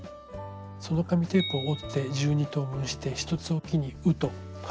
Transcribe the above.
その紙テープを折って１２等分して１つおきに「う」とつけてきます。